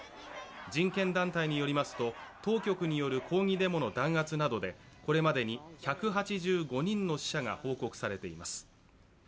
人権団体によりますと当局による抗議デモの弾圧などでこれまでに１８５人の死者が報告されています。